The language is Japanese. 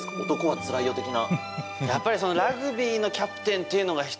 「男はつらいよ」的な。